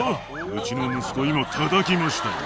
「うちの息子今たたきましたよね？」